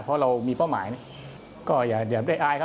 เพราะเรามีเป้าหมายนี่ก็อย่าเดี๋ยวไม่ได้อายครับ